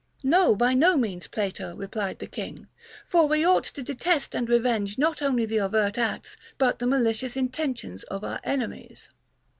No, by no means, Plato, replied the king; for we ought to detest and revenge not only the overt acts but the malicious inten tions of our enemies.